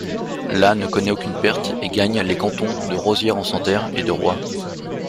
La ne connaît aucune perte et gagne les cantons de Rosières-en-Santerre et de Roye.